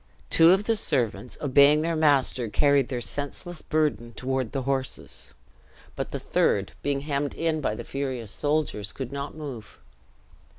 Two of the servants, obeying their master, carried their senseless burden toward the horses; but the third, being hemmed in by the furious soldiers, could not move.